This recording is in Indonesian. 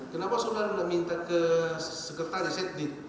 kenapa sudara enggak minta ke sekretaris ya